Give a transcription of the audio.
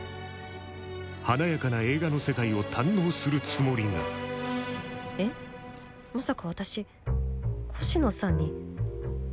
華やかな映画の世界を堪能するつもりがえっまさか私越乃さんに嫉妬してる？